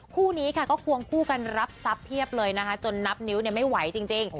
คู่นี้ค่ะก็ควงคู่กันรับทรัพย์เพียบเลยนะคะจนนับนิ้วไม่ไหวจริง